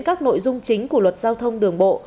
các nội dung chính của luật giao thông đường bộ